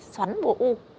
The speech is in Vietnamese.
xoắn bộ u